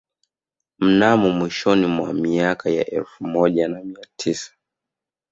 Mnamo mwishoni mwa miaka ya elfu moja na mia tisa